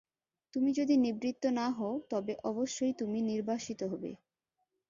তুমি যদি নিবৃত্ত না হও, তবে অবশ্যই তুমি নির্বাসিত হবে।